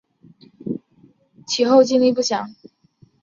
其后经历不详。